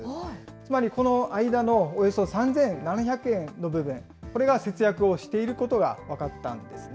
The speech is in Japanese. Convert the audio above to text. つまりこの間のおよそ３７００円の部分、これが節約をしていることが分かったんですね。